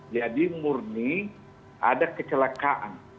jadi murni ada kecelakaan